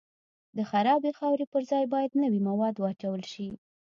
د خرابې خاورې پر ځای باید نوي مواد واچول شي